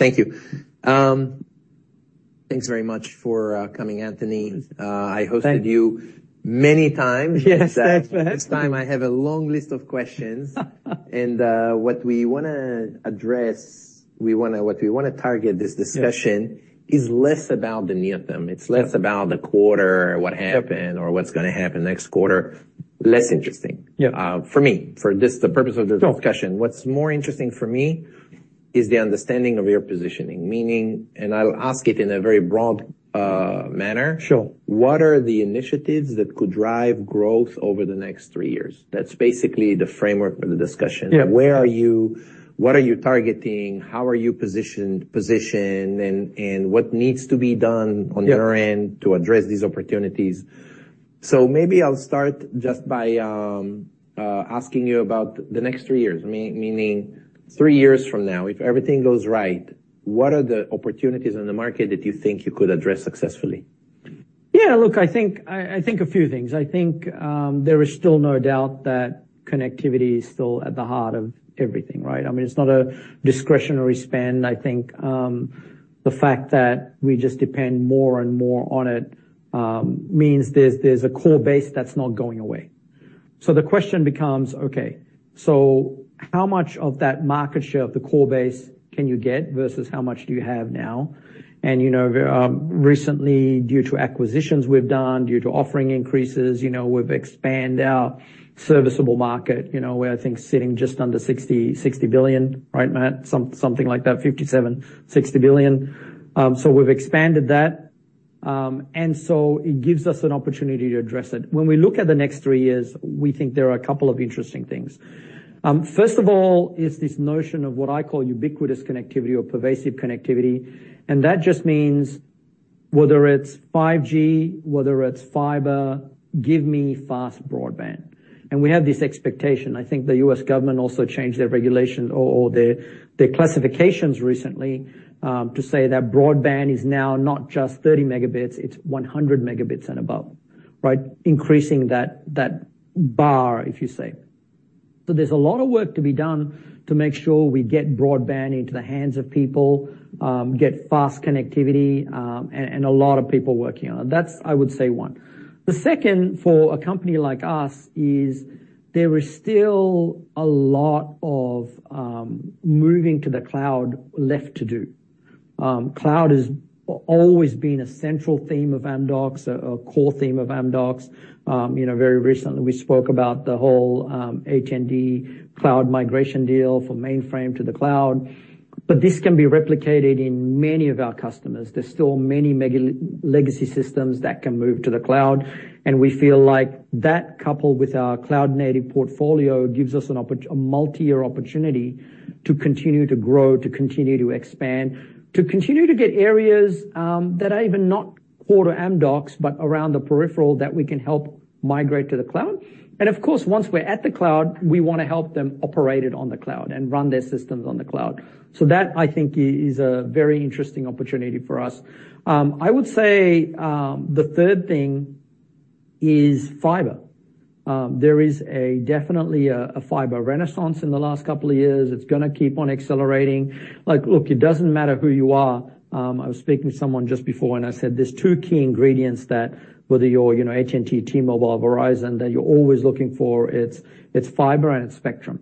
Thank you. Thanks very much for coming, Anthony. Thank- I hosted you many times. Yes. This time I have a long list of questions. And what we wanna address, what we wanna target this discussion- Yes Is less about the near term. It's less about the quarter, what happened. Yep Or what's gonna happen next quarter. Less interesting. Yeah. For me, for this, the purpose of this discussion. No. What's more interesting for me is the understanding of your positioning, meaning... And I'll ask it in a very broad manner. Sure. What are the initiatives that could drive growth over the next three years? That's basically the framework for the discussion. Yeah. Where are you? What are you targeting? How are you positioned, and what needs to be done? Yeah -on your end to address these opportunities? So maybe I'll start just by asking you about the next three years, meaning three years from now, if everything goes right, what are the opportunities in the market that you think you could address successfully? Yeah, look, I think a few things. I think there is still no doubt that connectivity is still at the heart of everything, right? I mean, it's not a discretionary spend. I think the fact that we just depend more and more on it means there's a core base that's not going away. So the question becomes, okay, so how much of that market share of the core base can you get versus how much do you have now? And, you know, recently, due to acquisitions we've done, due to offering increases, you know, we've expanded our serviceable market, you know, where I think sitting just under $60 billion, right, Matt? Something like that, $57-$60 billion. So we've expanded that, and so it gives us an opportunity to address it. When we look at the next three years, we think there are a couple of interesting things. First of all, is this notion of what I call ubiquitous connectivity or pervasive connectivity, and that just means whether it's 5G, whether it's fiber, give me fast broadband. We have this expectation. I think the U.S. government also changed their regulation or their classifications recently, to say that broadband is now not just 30 Mbps, it's 100 Mbps and above, right? Increasing that bar, if you say. There's a lot of work to be done to make sure we get broadband into the hands of people, get fast connectivity, and a lot of people working on it. That's, I would say, one. The second, for a company like us, is there is still a lot of moving to the cloud left to do. Cloud has always been a central theme of Amdocs, a core theme of Amdocs. You know, very recently, we spoke about the whole AT&T cloud migration deal from mainframe to the cloud. But this can be replicated in many of our customers. There's still many mega legacy systems that can move to the cloud, and we feel like that, coupled with our cloud-native portfolio, gives us a multi-year opportunity to continue to grow, to continue to expand, to continue to get areas that are even not core to Amdocs, but around the peripheral, that we can help migrate to the cloud. Of course, once we're at the cloud, we wanna help them operate it on the cloud and run their systems on the cloud. So that, I think, is a very interesting opportunity for us. I would say, the third thing is fiber. There is definitely a fiber renaissance in the last couple of years. It's gonna keep on accelerating. Like, look, it doesn't matter who you are, I was speaking to someone just before, and I said there's two key ingredients that whether you're, you know, AT&T, T-Mobile, or Verizon, that you're always looking for, it's fiber and spectrum,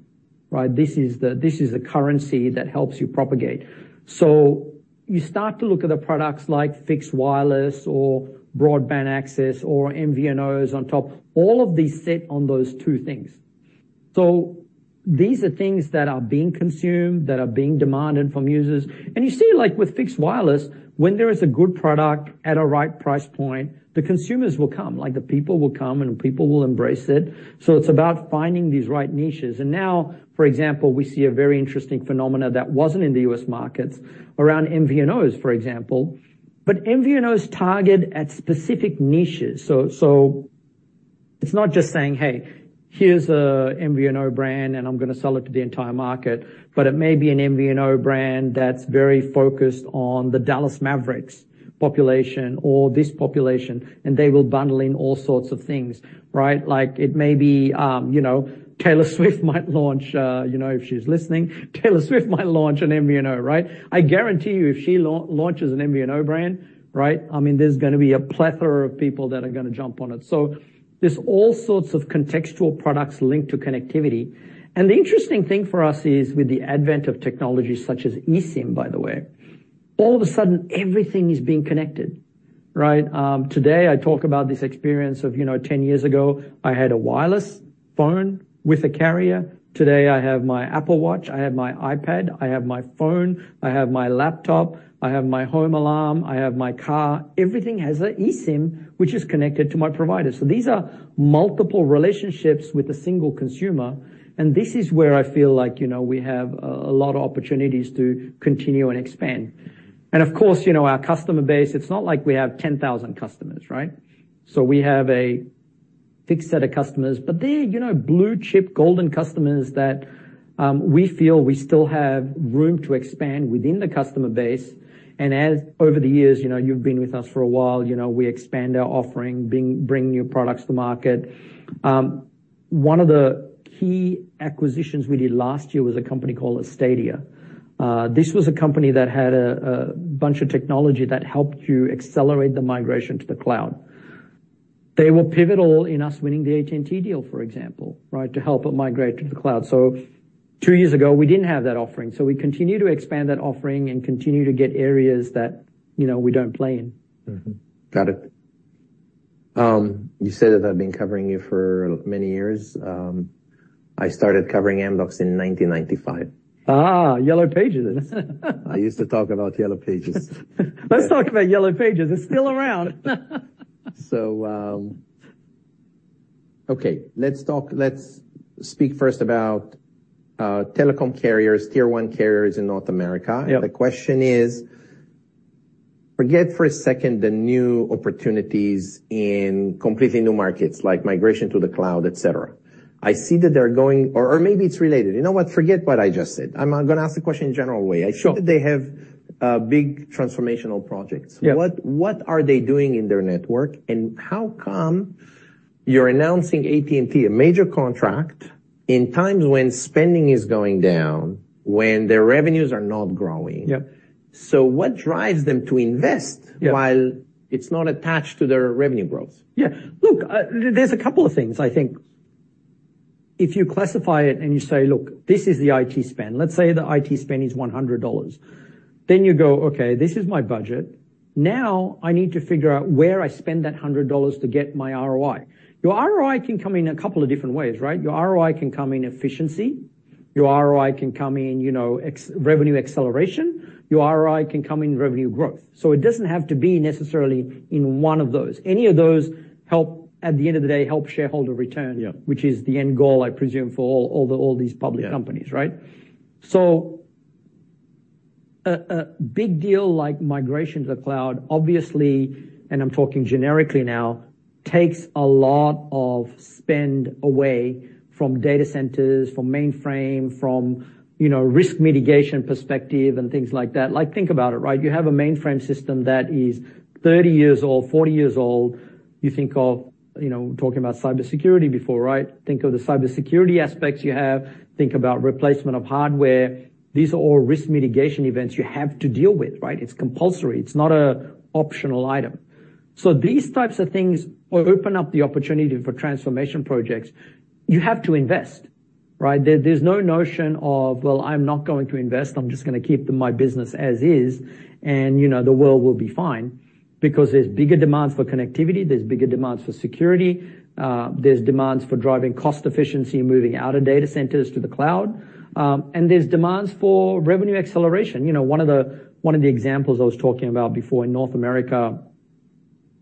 right? This is the currency that helps you propagate. So you start to look at the products like fixed wireless or broadband access or MVNOs on top, all of these sit on those two things. So these are things that are being consumed, that are being demanded from users. You see, like with fixed wireless, when there is a good product at a right price point, the consumers will come, like the people will come, and people will embrace it. So it's about finding these right niches. Now, for example, we see a very interesting phenomenon that wasn't in the US markets around MVNOs, for example, but MVNOs target at specific niches. So it's not just saying, "Hey, here's a MVNO brand, and I'm gonna sell it to the entire market," but it may be an MVNO brand that's very focused on the Dallas Mavericks population or this population, and they will bundle in all sorts of things, right? Like, it may be, you know, Taylor Swift might launch, you know, if she's listening, Taylor Swift might launch an MVNO, right? I guarantee you, if she launches an MVNO brand, right, I mean, there's gonna be a plethora of people that are gonna jump on it. So there's all sorts of contextual products linked to connectivity. And the interesting thing for us is, with the advent of technologies such as eSIM, by the way, all of a sudden, everything is being connected, right? Today, I talk about this experience of, you know, 10 years ago, I had a wireless phone with a carrier. Today, I have my Apple Watch, I have my iPad, I have my phone, I have my laptop, I have my home alarm, I have my car. Everything has an eSIM, which is connected to my provider. So these are multiple relationships with a single consumer, and this is where I feel like, you know, we have a lot of opportunities to continue and expand. And of course, you know, our customer base, it's not like we have 10,000 customers, right? So we have a fixed set of customers, but they're, you know, blue-chip, golden customers that we feel we still have room to expand within the customer base. And as over the years, you know, you've been with us for a while, you know, we expand our offering, bring new products to market. One of the key acquisitions we did last year was a company called Astadia. This was a company that had a bunch of technology that helped you accelerate the migration to the cloud. They were pivotal in us winning the AT&T deal, for example, right, to help it migrate to the cloud. So two years ago, we didn't have that offering, so we continue to expand that offering and continue to get areas that, you know, we don't play in. Mm-hmm. Got it. You said that I've been covering you for many years. I started covering Amdocs in 1995. Ah, Yellow Pages. I used to talk about Yellow Pages. Let's talk about Yellow Pages. It's still around. Okay, let's speak first about telecom carriers, Tier One carriers in North America. Yep. The question is, forget for a second the new opportunities in completely new markets, like migration to the cloud, et cetera. I see that they're going... Or, maybe it's related. You know what? Forget what I just said. I'm gonna ask the question in a general way. Sure. I think that they have big transformational projects. Yep. What, what are they doing in their network, and how come you're announcing AT&T, a major contract, in times when spending is going down, when their revenues are not growing? Yep. What drives them to invest? Yep while it's not attached to their revenue growth? Yeah. Look, there's a couple of things, I think. If you classify it and you say, "Look, this is the IT spend." Let's say the IT spend is $100, then you go, "Okay, this is my budget. Now, I need to figure out where I spend that $100 to get my ROI." Your ROI can come in a couple of different ways, right? Your ROI can come in efficiency, your ROI can come in, you know, ex... revenue acceleration, your ROI can come in revenue growth. So it doesn't have to be necessarily in one of those. Any of those help, at the end of the day, help shareholder return- Yeah which is the end goal, I presume, for all these public companies, right? Yeah. So, a big deal like migration to the cloud, obviously, and I'm talking generically now, takes a lot of spend away from data centers, from mainframe, from, you know, risk mitigation perspective and things like that. Like, think about it, right? You have a mainframe system that is 30 years old, 40 years old. You think of, you know, talking about cybersecurity before, right? Think of the cybersecurity aspects you have. Think about replacement of hardware. These are all risk mitigation events you have to deal with, right? It's compulsory. It's not an optional item. So these types of things open up the opportunity for transformation projects. You have to invest, right? There's no notion of, "Well, I'm not going to invest. I'm just gonna keep my business as is, and, you know, the world will be fine," because there's bigger demands for connectivity, there's bigger demands for security, there's demands for driving cost efficiency, moving out of data centers to the cloud, and there's demands for revenue acceleration. You know, one of the, one of the examples I was talking about before in North America,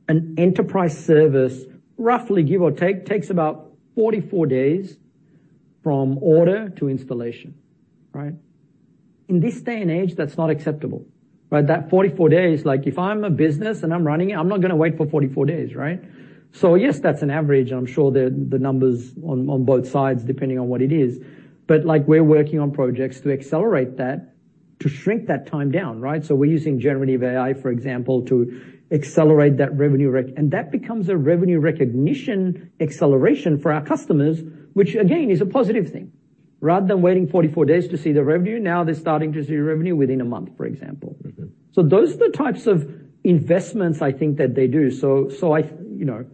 an enterprise service, roughly, give or take, takes about 44 days from order to installation, right? In this day and age, that's not acceptable, right? That 44 days, like, if I'm a business and I'm running it, I'm not gonna wait for 44 days, right? So yes, that's an average, and I'm sure the, the numbers on, on both sides, depending on what it is, but, like, we're working on projects to accelerate that, to shrink that time down, right? So we're using generative AI, for example, to accelerate that revenue and that becomes a revenue recognition acceleration for our customers, which, again, is a positive thing. Rather than waiting 44 days to see the revenue, now they're starting to see revenue within a month, for example. Mm-hmm. So those are the types of investments I think that they do. So, I, you know,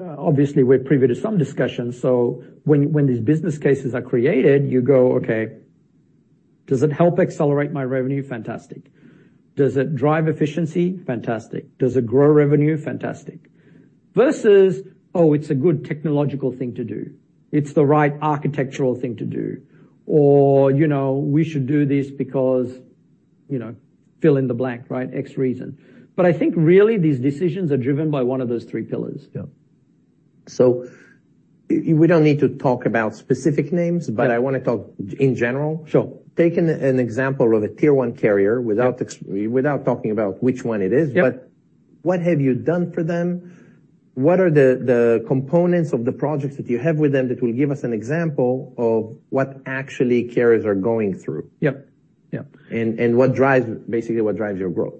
obviously, we're privy to some discussions, so when these business cases are created, you go, "Okay, does it help accelerate my revenue? Fantastic. Does it drive efficiency? Fantastic. Does it grow revenue? Fantastic." Versus, "Oh, it's a good technological thing to do. It's the right architectural thing to do," or, you know, "We should do this because," you know, fill in the blank, right? X reason. But I think really, these decisions are driven by one of those three pillars. Yeah. So we don't need to talk about specific names- Yeah But I wanna talk in general. Sure. Taking an example of a Tier One carrier- Yep without talking about which one it is Yep... but what have you done for them? What are the components of the projects that you have with them that will give us an example of what actually carriers are going through? Yep. Yep. What drives, basically, what drives your growth?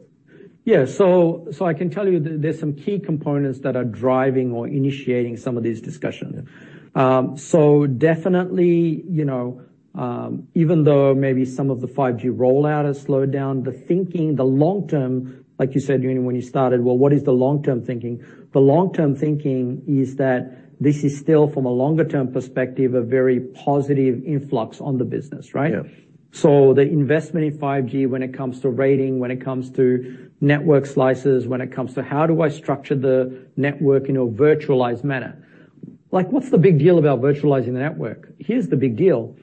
Yeah. So, so I can tell you there's some key components that are driving or initiating some of these discussions. So definitely, you know, even though maybe some of the 5G rollout has slowed down, the thinking, the long-term, like you said when you started, "Well, what is the long-term thinking?" The long-term thinking is that this is still, from a longer-term perspective, a very positive influx on the business, right? Yeah. So the investment in 5G when it comes to rating, when it comes to network slices, when it comes to how do I structure the network in a virtualized manner? Like, what's the big deal about virtualizing the network? Here's the big deal: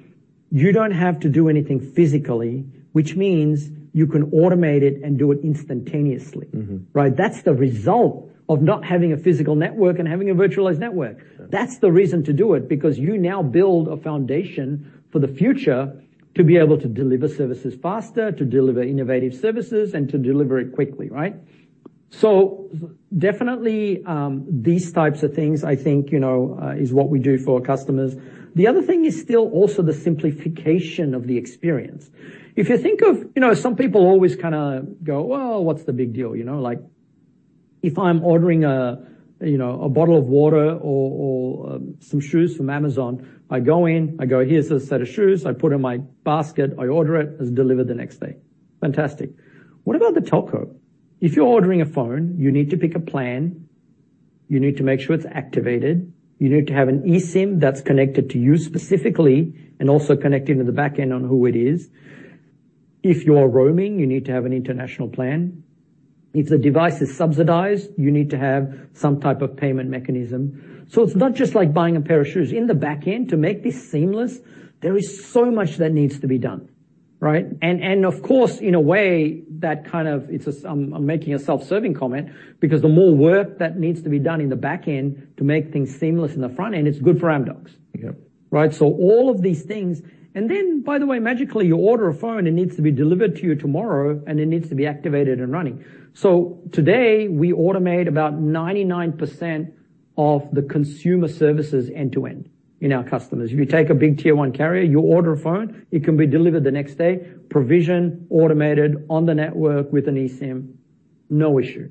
You don't have to do anything physically, which means you can automate it and do it instantaneously. Mm-hmm. Right? That's the result of not having a physical network and having a virtualized network. Sure. That's the reason to do it, because you now build a foundation for the future to be able to deliver services faster, to deliver innovative services, and to deliver it quickly, right? So definitely, these types of things, I think, you know, is what we do for our customers. The other thing is still also the simplification of the experience. If you think of... You know, some people always kinda go, "Well, what's the big deal? You know, like-... If I'm ordering a, you know, a bottle of water or, or, some shoes from Amazon, I go in, I go, "Here's a set of shoes." I put in my basket, I order it, it's delivered the next day. Fantastic. What about the telco? If you're ordering a phone, you need to pick a plan, you need to make sure it's activated, you need to have an eSIM that's connected to you specifically, and also connected to the back end on who it is. If you're roaming, you need to have an international plan. If the device is subsidized, you need to have some type of payment mechanism. So it's not just like buying a pair of shoes. In the back end, to make this seamless, there is so much that needs to be done, right? And of course, in a way, that kind of, it's a, I'm making a self-serving comment, because the more work that needs to be done in the back end to make things seamless in the front end, it's good for Amdocs. Yep. Right? So all of these things. And then, by the way, magically, you order a phone, it needs to be delivered to you tomorrow, and it needs to be activated and running. So today, we automate about 99% of the consumer services end-to-end in our customers. If you take a big Tier One carrier, you order a phone, it can be delivered the next day, provision, automated on the network with an eSIM, no issue,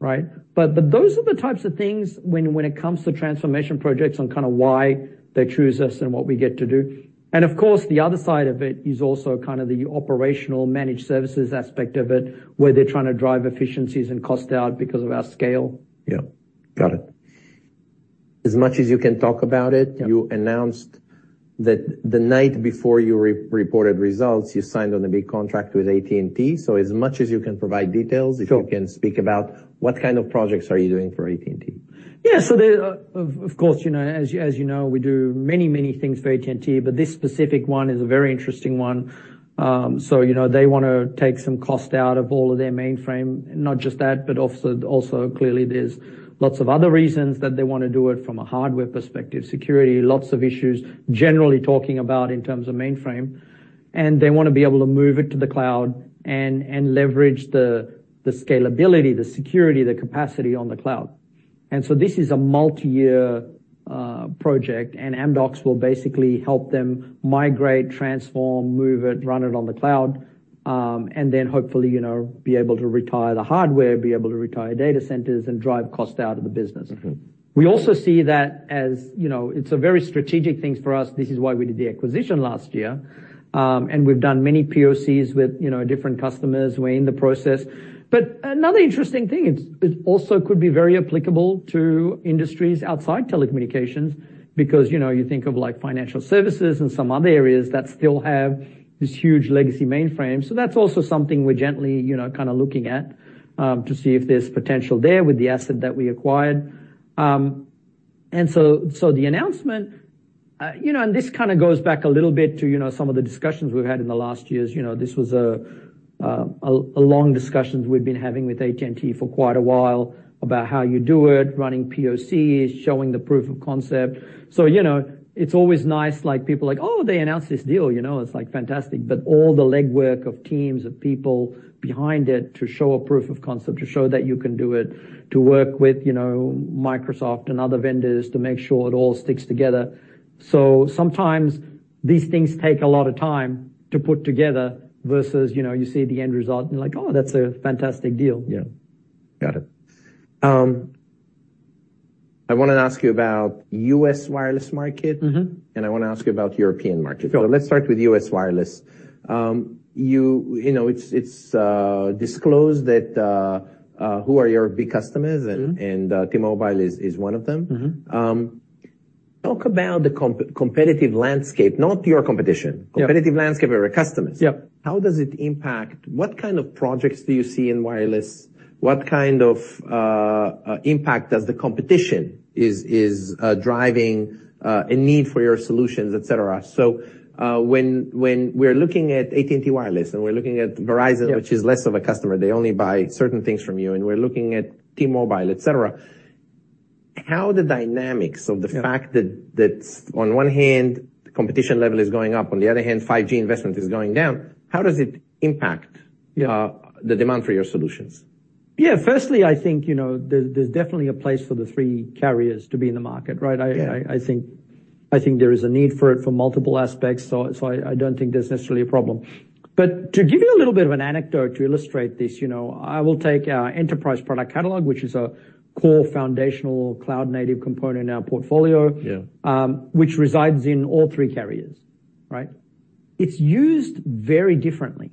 right? But those are the types of things when it comes to transformation projects on kind of why they choose us and what we get to do. And of course, the other side of it is also kind of the operational managed services aspect of it, where they're trying to drive efficiencies and cost out because of our scale. Yeah, got it. As much as you can talk about it- Yep. You announced that the night before you reported results, you signed on a big contract with AT&T. So as much as you can provide details. Sure. If you can speak about what kind of projects are you doing for AT&T? Yeah, so of course, you know, as you know, we do many, many things for AT&T, but this specific one is a very interesting one. So, you know, they want to take some cost out of all of their mainframe. Not just that, but also clearly, there's lots of other reasons that they wanna do it from a hardware perspective, security, lots of issues, generally talking about in terms of mainframe. And they want to be able to move it to the cloud and leverage the scalability, the security, the capacity on the cloud. And so this is a multi-year project, and Amdocs will basically help them migrate, transform, move it, run it on the cloud, and then hopefully, you know, be able to retire the hardware, be able to retire data centers, and drive cost out of the business. Mm-hmm. We also see that as, you know, it's a very strategic thing for us. This is why we did the acquisition last year. And we've done many POCs with, you know, different customers. We're in the process. But another interesting thing, it, it also could be very applicable to industries outside telecommunications, because, you know, you think of, like, financial services and some other areas that still have this huge legacy mainframe. So that's also something we're gently, you know, kinda looking at, to see if there's potential there with the asset that we acquired. And so, so the announcement, you know, and this kinda goes back a little bit to, you know, some of the discussions we've had in the last years. You know, this was a long discussion we've been having with AT&T for quite a while about how you do it, running POCs, showing the proof of concept. So, you know, it's always nice, like, people are like, "Oh, they announced this deal," you know, it's, like, fantastic. But all the legwork of teams, of people behind it to show a proof of concept, to show that you can do it, to work with, you know, Microsoft and other vendors to make sure it all sticks together. So sometimes these things take a lot of time to put together versus, you know, you see the end result, and you're like, "Oh, that's a fantastic deal. Yeah. Got it. I wanna ask you about U.S. wireless market- Mm-hmm. I wanna ask you about European market. Sure. So let's start with U.S. wireless. You know, it's disclosed that who are your big customers? Mm-hmm. T-Mobile is one of them. Mm-hmm. Talk about the competitive landscape, not your competition. Yep. - competitive landscape of your customers. Yep. How does it impact... What kind of projects do you see in wireless? What kind of impact does the competition is driving a need for your solutions, et cetera? So, when we're looking at AT&T Wireless, and we're looking at Verizon- Yep - which is less of a customer, they only buy certain things from you, and we're looking at T-Mobile, et cetera, how the dynamics of the- Yep The fact that on one hand, the competition level is going up, on the other hand, 5G investment is going down, how does it impact? Yeah the demand for your solutions? Yeah. Firstly, I think, you know, there's definitely a place for the three carriers to be in the market, right? Yeah. I think there is a need for it from multiple aspects, so I don't think there's necessarily a problem. But to give you a little bit of an anecdote to illustrate this, you know, I will take our Enterprise Product Catalog, which is a core foundational cloud-native component in our portfolio- Yeah... which resides in all three carriers, right? It's used very differently,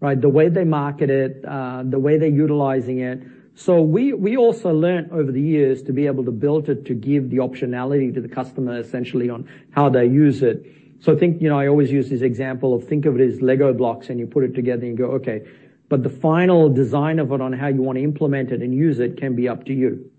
right? The way they market it, the way they're utilizing it. So we also learned over the years to be able to build it, to give the optionality to the customer, essentially, on how they use it. So I think, you know, I always use this example of, think of it as Lego blocks, and you put it together, and you go, okay. But the final design of it on how you want to implement it and use it can be up to you.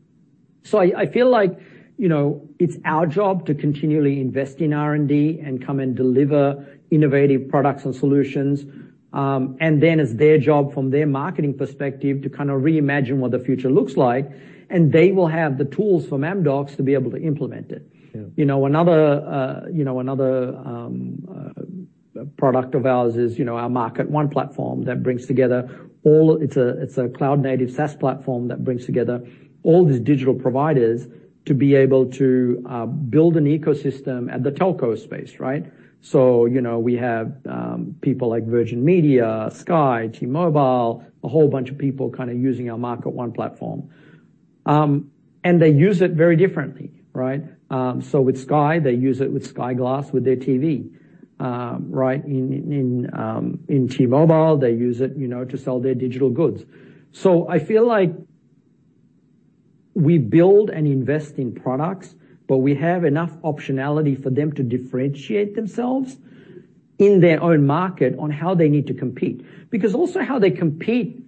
So I feel like, you know, it's our job to continually invest in R&D and come and deliver innovative products and solutions. And then it's their job from their marketing perspective, to kinda reimagine what the future looks like, and they will have the tools from Amdocs to be able to implement it. Yeah. You know, another product of ours is, you know, our MarketONE platform that brings together all— It's a cloud-native SaaS platform that brings together all these digital providers to be able to build an ecosystem at the telco space, right? So, you know, we have people like Virgin Media, Sky, T-Mobile, a whole bunch of people kinda using our MarketONE platform. And they use it very differently, right? So with Sky, they use it with Sky Glass, with their TV, right? In T-Mobile, they use it, you know, to sell their digital goods. So I feel like we build and invest in products, but we have enough optionality for them to differentiate themselves in their own market on how they need to compete. Because also, how they competed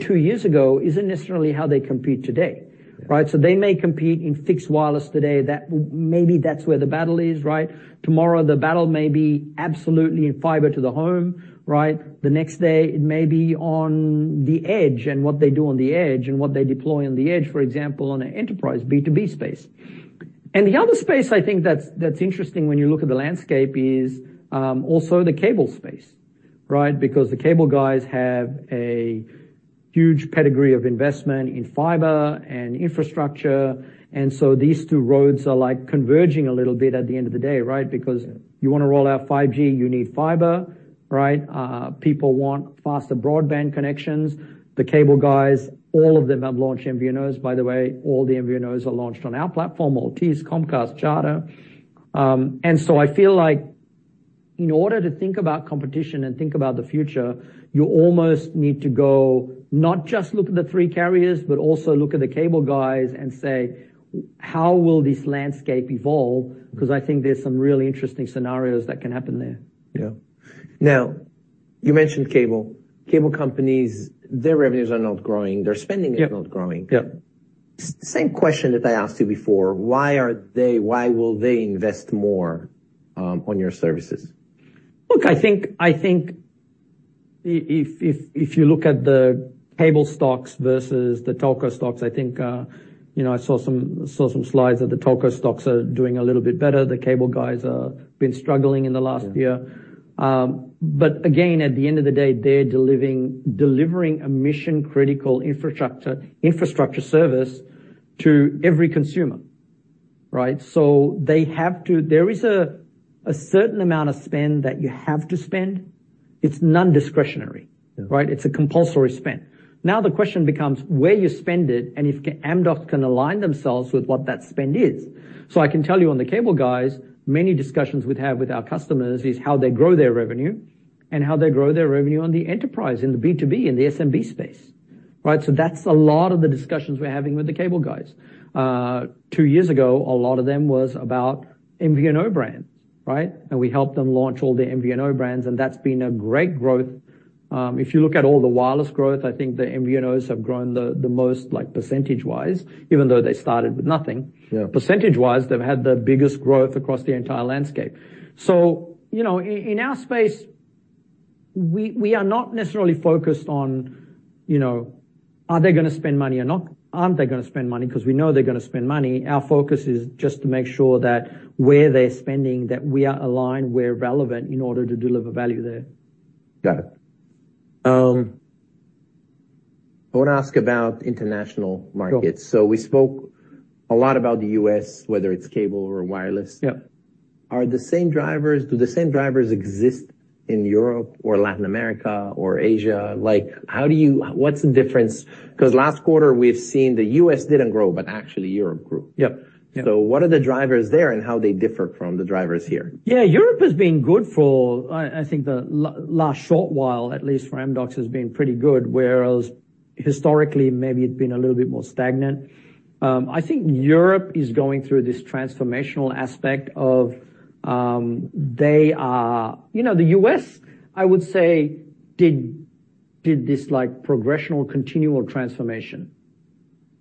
two years ago isn't necessarily how they compete today, right? So they may compete in fixed wireless today, that, maybe that's where the battle is, right? Tomorrow, the battle may be absolutely in fiber to the home, right? The next day, it may be on the edge and what they do on the edge and what they deploy on the edge, for example, on an enterprise, B2B space. And the other space, I think that's, that's interesting when you look at the landscape is also the cable space, right? Because the cable guys have a huge pedigree of investment in fiber and infrastructure, and so these two roads are like converging a little bit at the end of the day, right? Because you wanna roll out 5G, you need fiber, right? People want faster broadband connections. The cable guys, all of them have launched MVNOs, by the way, all the MVNOs are launched on our platform, Altice, Comcast, Charter. And so I feel like in order to think about competition and think about the future, you almost need to go, not just look at the three carriers, but also look at the cable guys and say, "How will this landscape evolve?" Because I think there's some really interesting scenarios that can happen there. Yeah. Now, you mentioned cable. Cable companies, their revenues are not growing, their spending- Yep. is not growing. Yep. Same question that I asked you before, why will they invest more on your services? Look, I think if you look at the cable stocks versus the telco stocks, I think, you know, I saw some slides that the telco stocks are doing a little bit better. The cable guys have been struggling in the last year. Yeah. But again, at the end of the day, they're delivering a mission-critical infrastructure service to every consumer, right? So they have to... There is a certain amount of spend that you have to spend. It's non-discretionary. Yeah. Right? It's a compulsory spend. Now, the question becomes where you spend it and if Amdocs can align themselves with what that spend is. So I can tell you on the cable guys, many discussions we'd have with our customers is how they grow their revenue and how they grow their revenue on the enterprise, in the B2B, in the SMB space. Right? So that's a lot of the discussions we're having with the cable guys. 2 years ago, a lot of them was about MVNO brands, right? And we helped them launch all their MVNO brands, and that's been a great growth. If you look at all the wireless growth, I think the MVNOs have grown the most, like, percentage-wise, even though they started with nothing. Yeah. Percentage-wise, they've had the biggest growth across the entire landscape. So, you know, in our space, we are not necessarily focused on, you know, are they gonna spend money or not? Aren't they gonna spend money, 'cause we know they're gonna spend money. Our focus is just to make sure that where they're spending, that we are aligned, we're relevant in order to deliver value there. Got it. I want to ask about international markets. Sure. So we spoke a lot about the U.S., whether it's cable or wireless. Yep. Are the same drivers, do the same drivers exist in Europe or Latin America or Asia? Like, how do you... What's the difference? Because last quarter, we've seen the US didn't grow, but actually Europe grew. Yep. Yep. What are the drivers there and how they differ from the drivers here? Yeah, Europe has been good for, I think the last short while, at least for Amdocs, has been pretty good, whereas historically, maybe it's been a little bit more stagnant. I think Europe is going through this transformational aspect of, they are... You know, the U.S., I would say, did this, like, progressional continual transformation,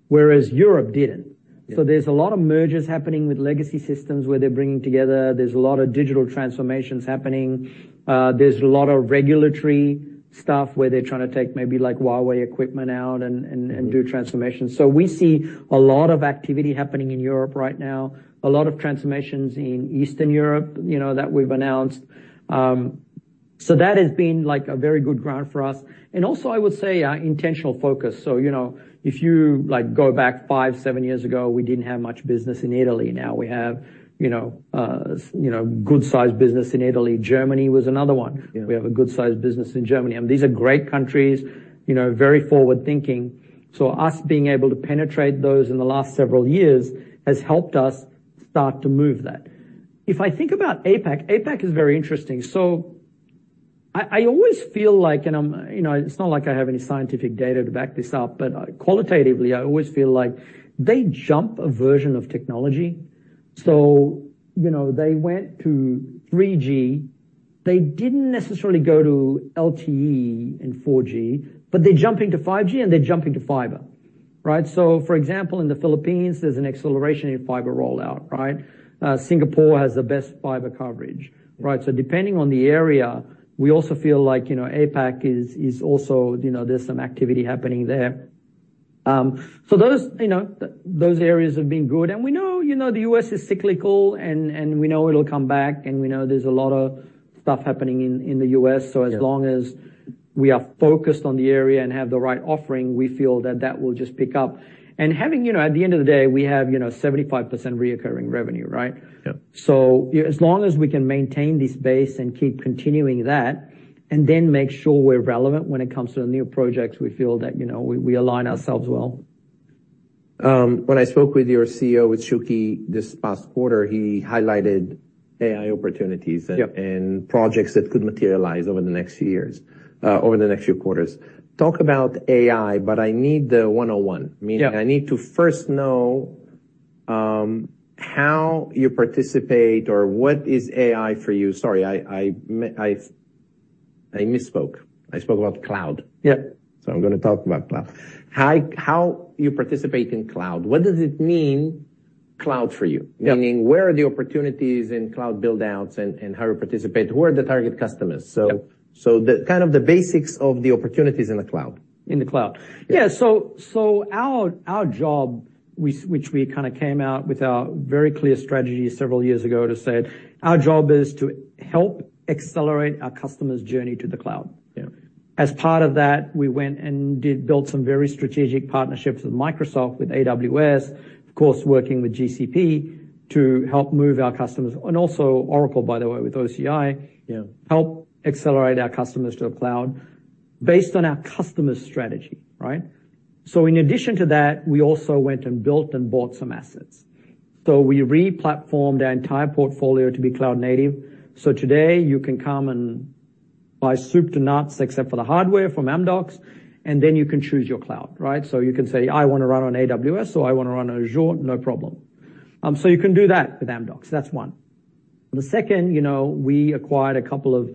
whereas Europe didn't. Yeah. So there's a lot of mergers happening with legacy systems, where they're bringing together. There's a lot of digital transformations happening. There's a lot of regulatory stuff where they're trying to take maybe like Huawei equipment out and, and- Mm-hmm... do transformations. So we see a lot of activity happening in Europe right now, a lot of transformations in Eastern Europe, you know, that we've announced. So that has been, like, a very good ground for us. And also, I would say, intentional focus. So, you know, if you, like, go back 5, 7 years ago, we didn't have much business in Italy. Now we have, you know, good-sized business in Italy. Germany was another one. Yeah. We have a good-sized business in Germany, and these are great countries, you know, very forward-thinking. So us being able to penetrate those in the last several years has helped us start to move that. If I think about APAC, APAC is very interesting. So I always feel like, and, you know, it's not like I have any scientific data to back this up, but qualitatively, I always feel like they jump a version of technology. So, you know, they went to 3G, they didn't necessarily go to LTE and 4G, but they're jumping to 5G, and they're jumping to fiber, right? So for example, in the Philippines, there's an acceleration in fiber rollout, right? Singapore has the best fiber coverage, right? So depending on the area, we also feel like, you know, APAC is also, you know, there's some activity happening there. So those, you know, those areas have been good. And we know, you know, the U.S. is cyclical, and we know it'll come back, and we know there's a lot of stuff happening in the U.S. Yeah. So as long as we are focused on the area and have the right offering, we feel that that will just pick up. And having, you know, at the end of the day, we have, you know, 75% recurring revenue, right? Yeah. As long as we can maintain this base and keep continuing that, and then make sure we're relevant when it comes to the new projects, we feel that, you know, we align ourselves well.... When I spoke with your CEO, with Shuky, this past quarter, he highlighted AI opportunities- Yep. and projects that could materialize over the next few years, over the next few quarters. Talk about AI, but I need the one-on-one. Yep. Meaning I need to first know, how you participate or what is AI for you? Sorry, I misspoke. I spoke about cloud. Yep. I'm gonna talk about cloud. How you participate in cloud? What does it mean? Cloud for you? Yep. Meaning, where are the opportunities in cloud build-outs and how you participate? Who are the target customers? Yep. So, the kind of basics of the opportunities in the cloud. In the cloud. Yeah. Our job, which we kind of came out with a very clear strategy several years ago to say, is to help accelerate our customers' journey to the cloud. Yeah. As part of that, we went and did build some very strategic partnerships with Microsoft, with AWS, of course, working with GCP to help move our customers, and also Oracle, by the way, with OCI. Yeah... help accelerate our customers to the cloud based on our customers' strategy, right? So in addition to that, we also went and built and bought some assets. So we re-platformed our entire portfolio to be cloud native. So today, you can come and buy soup to nuts, except for the hardware from Amdocs, and then you can choose your cloud, right? So you can say, "I wanna run on AWS, or I wanna run on Azure," no problem. So you can do that with Amdocs, that's one. The second, you know, we acquired a couple of,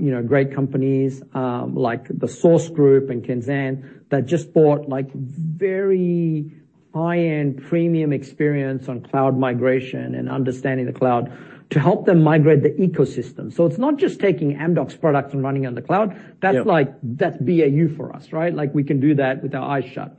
you know, great companies, like the Sourced Group and Kenzan, that just bought, like, very high-end premium experience on cloud migration and understanding the cloud to help them migrate the ecosystem. So it's not just taking Amdocs products and running on the cloud. Yeah. That's like, that's BAU for us, right? Like, we can do that with our eyes shut.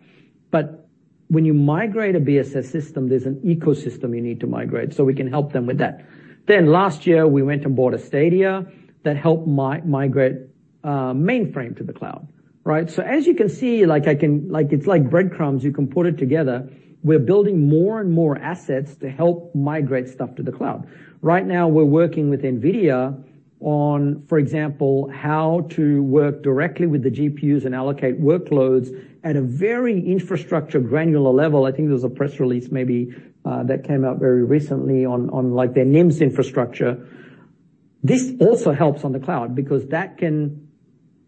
But when you migrate a BSS system, there's an ecosystem you need to migrate, so we can help them with that. Then last year, we went and bought Astadia that helped migrate mainframe to the cloud, right? So as you can see, like, I can-- like, it's like breadcrumbs, you can put it together. We're building more and more assets to help migrate stuff to the cloud. Right now, we're working with NVIDIA on, for example, how to work directly with the GPUs and allocate workloads at a very infrastructure, granular level. I think there was a press release maybe that came out very recently on, on, like, their NIM infrastructure. This also helps on the cloud, because that can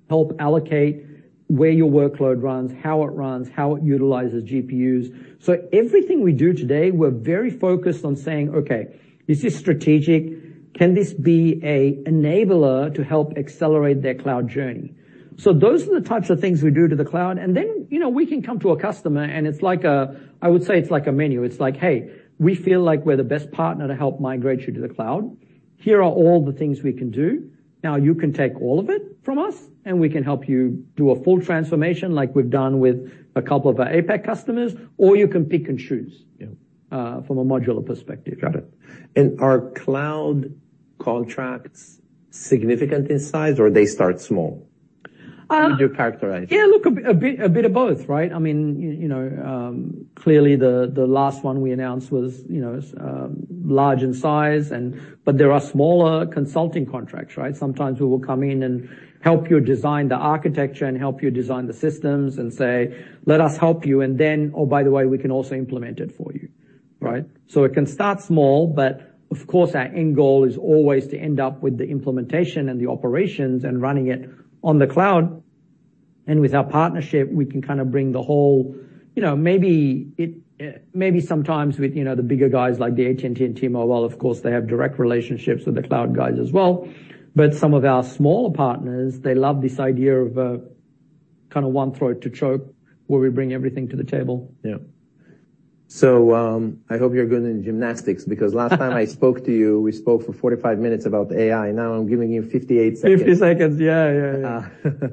help allocate where your workload runs, how it runs, how it utilizes GPUs. So everything we do today, we're very focused on saying, "Okay, is this strategic? Can this be an enabler to help accelerate their cloud journey?" So those are the types of things we do to the cloud, and then, you know, we can come to a customer, and it's like a... I would say it's like a menu. It's like, "Hey, we feel like we're the best partner to help migrate you to the cloud. Here are all the things we can do. Now, you can take all of it from us, and we can help you do a full transformation, like we've done with a couple of our APAC customers, or you can pick and choose"- Yeah... "from a modular perspective. Got it. Are cloud contracts significant in size, or they start small? How would you characterize it? Yeah, look, a bit of both, right? I mean, you know, clearly, the last one we announced was, you know, large in size and... but there are smaller consulting contracts, right? Sometimes we will come in and help you design the architecture and help you design the systems and say, "Let us help you," and then, "Oh, by the way, we can also implement it for you," right? So it can start small, but of course, our end goal is always to end up with the implementation and the operations and running it on the cloud. And with our partnership, we can kind of bring the whole... You know, maybe it, maybe sometimes with, you know, the bigger guys like the AT&T and T-Mobile, of course, they have direct relationships with the cloud guys as well. But some of our smaller partners, they love this idea of kind of one throat to choke, where we bring everything to the table. Yeah. So, I hope you're good in gymnastics, because last time I spoke to you, we spoke for 45 minutes about AI. Now, I'm giving you 58 seconds. 50 seconds, yeah, yeah, yeah.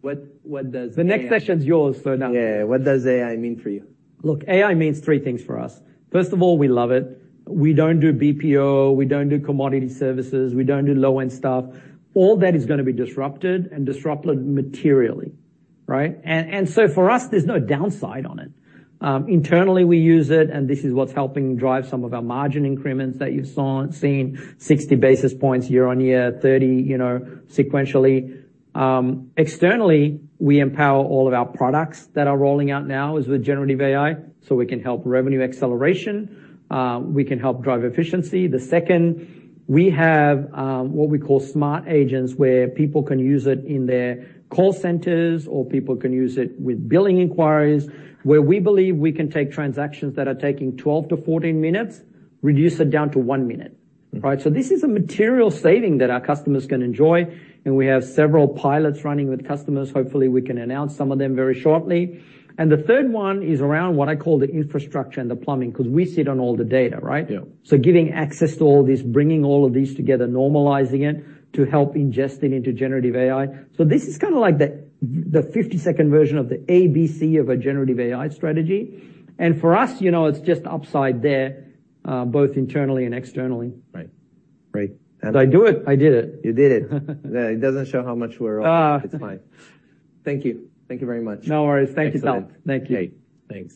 What does AI- The next session's yours, so now- Yeah. What does AI mean for you? Look, AI means three things for us. First of all, we love it. We don't do BPO, we don't do commodity services, we don't do low-end stuff. All that is gonna be disrupted and disrupted materially, right? And, and so for us, there's no downside on it. Internally, we use it, and this is what's helping drive some of our margin increments that you've saw, seen, 60 basis points year-on-year, 30, you know, sequentially. Externally, we empower all of our products that are rolling out now as with generative AI, so we can help revenue acceleration, we can help drive efficiency. The second, we have what we call smart agents, where people can use it in their call centers, or people can use it with billing inquiries, where we believe we can take transactions that are taking 12-14 minutes, reduce it down to 1 minute, right? Mm. This is a material saving that our customers can enjoy, and we have several pilots running with customers. Hopefully, we can announce some of them very shortly. The third one is around what I call the infrastructure and the plumbing, 'cause we sit on all the data, right? Yeah. So giving access to all this, bringing all of these together, normalizing it, to help ingest it into generative AI. So this is kinda like the 52-second version of the ABC of a generative AI strategy. And for us, you know, it's just upside there, both internally and externally. Right. Great. Did I do it? I did it. You did it. Yeah, it doesn't show how much we're off. Ah. It's fine. Thank you. Thank you very much. No worries. Thank you, Tal. Excellent. Thank you. Great. Thanks.